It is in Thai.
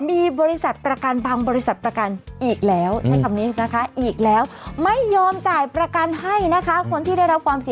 มีบริษัทประกันพังบริษัทประกันอีกแล้ว